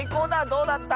どうだった？